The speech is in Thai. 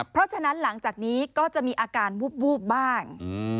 เพราะฉะนั้นหลังจากนี้ก็จะมีอาการวูบบ้าง